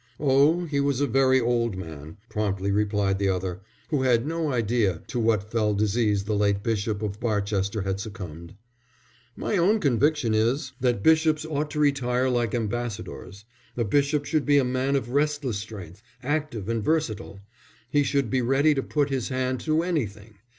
"Oh, he was a very old man," promptly replied the other, who had no idea to what fell disease the late Bishop of Barchester had succumbed. "My own conviction is that bishops ought to retire like ambassadors. A bishop should be a man of restless strength, active and versatile; he should be ready to put his hand to anything.